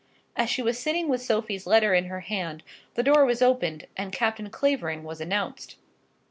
As she was sitting with Sophie's letter in her hand the door was opened, and Captain Clavering was announced.